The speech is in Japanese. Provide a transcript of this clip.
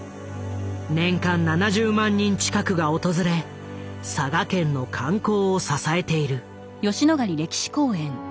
年間７０万人近くが訪れ佐賀県の観光を支えている。